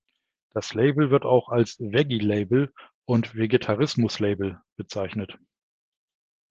Das Label wird auch als "Vegi-Label" und "Vegetarismus-Label" bezeichnet.